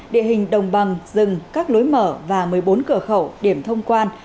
địa hình đồng bằng rừng các lối mở và một mươi bốn cửa khẩu điểm thông quan